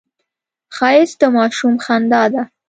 ښایست د ماشوم خندا ده